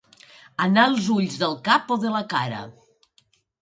Anar als ulls del cap o de la cara.